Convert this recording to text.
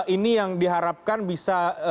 ini yang diharapkan bisa